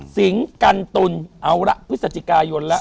สิงกันตุลเอาละพฤศจิกายนแล้ว